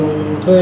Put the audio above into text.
thì họ cho thuê